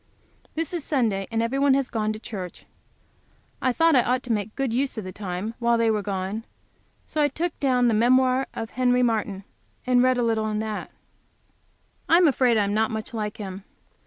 This is Sunday, and everybody has gone to church. I thought I ought to make a good use of the time while they were gone, so I took the Memoir of Henry Martyn, and read a little in that. I am afraid I am not much like him.